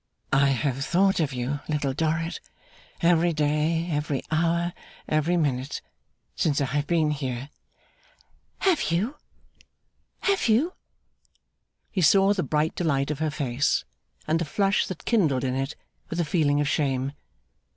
'I have thought of you, Little Dorrit, every day, every hour, every minute, since I have been here.' 'Have you? Have you?' He saw the bright delight of her face, and the flush that kindled in it, with a feeling of shame.